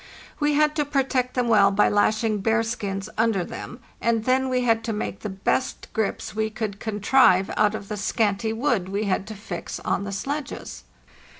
We had to protect them well by lashing bearskins under them; and then we had to make the best grips we could contrive out of the scanty wood we had to fix on the sledges.